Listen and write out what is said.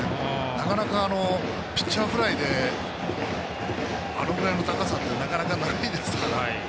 なかなか、ピッチャーフライであのぐらいの高さってなかなか、ないですから。